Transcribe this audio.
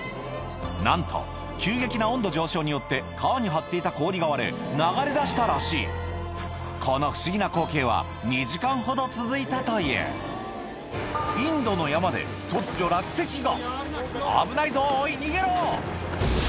なんと急激な温度上昇によって川に張っていた氷が割れ流れ出したらしいこの不思議な光景は２時間ほど続いたというインドの山で突如落石が危ないぞおい逃げろ！